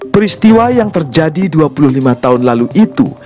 peristiwa yang terjadi dua puluh lima tahun lalu itu